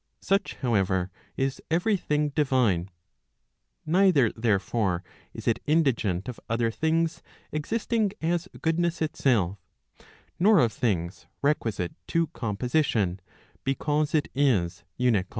Such, however, is every thing divine. Neither, therefore, is it indigent of other things, existing as goodness itself, nor of things requisite to composition, because it is unical.